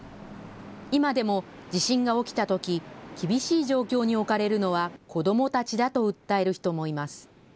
今でも地震が起きたとき厳しい状況に置かれるのは子どもたちだと訴える人もいます。